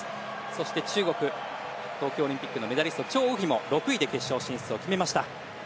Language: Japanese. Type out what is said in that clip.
そして中国、東京オリンピックのメダリストのチョウ・ウヒも６位で決勝進出を決めました。